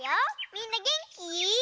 みんなげんき？